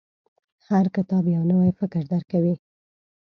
• هر کتاب، یو نوی فکر درکوي.